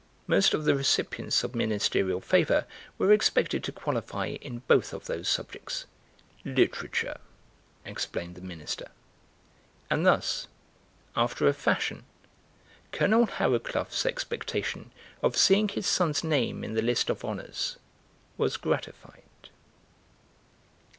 Most of the recipients of Ministerial favour were expected to qualify in both of those subjects. "Literature," explained the Minister. And thus, after a fashion, Colonel Harrowcluff's expectation of seeing his son's name in the list of Honours was gratified.